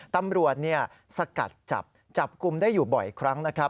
ตำรวจสกัดจับจับกลุ่มได้อยู่บ่อยครั้งนะครับ